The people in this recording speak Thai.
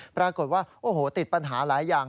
ปรากฏว่าโอ้โหติดปัญหาหลายอย่าง